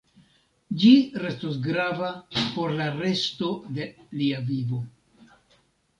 Ĝi restos grava por la resto de lia vivo.